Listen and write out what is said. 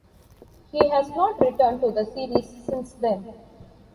He has not returned to the series since then.